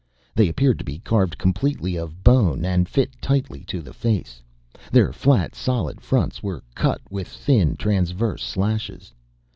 They appeared to be carved completely of bone and fit tightly to the face, their flat, solid fronts were cut with thin transverse slashes.